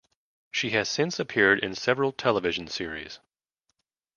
She has since appeared in several television series.